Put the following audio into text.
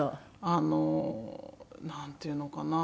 あのなんていうのかな